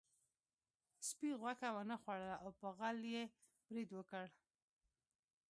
سپي غوښه ونه خوړله او په غل یې برید وکړ.